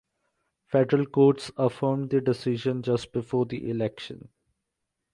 Federal courts affirmed the decision just before the election.